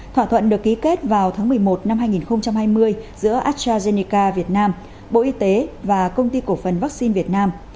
thỏa thuận được ký kết vào tháng một mươi một năm hai nghìn hai mươi giữa astrazeneca việt nam bộ y tế và công ty cổ phần vaccine việt nam